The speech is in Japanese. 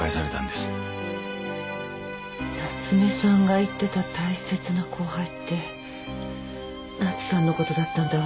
夏目さんが言ってた大切な後輩って奈津さんのことだったんだわ。